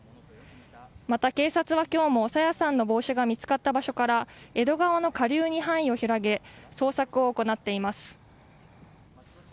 また、警察は今日も朝芽さんの帽子が見つかった場所から江戸川の下流に範囲を広げ捜索を行っています。